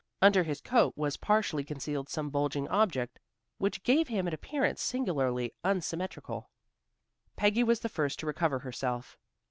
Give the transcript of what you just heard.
Under his coat was partially concealed some bulging object which gave him an appearance singularly unsymmetrical. Peggy was the first to recover herself.